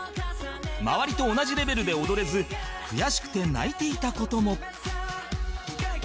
周りと同じレベルで踊れず悔しくて泣いていた事も